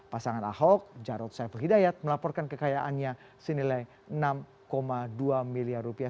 pasangan ahok jarod saiful hidayat melaporkan kekayaannya senilai enam dua miliar rupiah